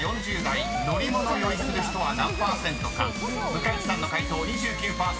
［向井地さんの解答２９％］